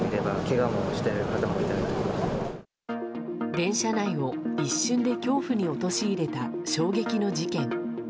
電車内を一瞬で恐怖に陥れた衝撃の事件。